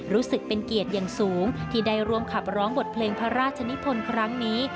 รู้สึกเป็นเกียรติอย่างสูงที่ได้ร่วมขับร้องบทเพลงพระราชนิพลครั้งนี้